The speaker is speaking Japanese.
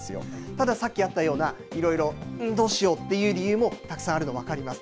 ただ、さっきあったような、いろいろどうしようという理由もたくさんあるの、分かります。